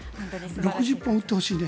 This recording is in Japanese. ６０本打ってほしいね。